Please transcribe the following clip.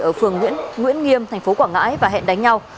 ở phường nguyễn nghiêm tp quảng ngãi và hẹn đánh nhau